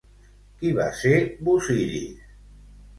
Qui va ser Busiris?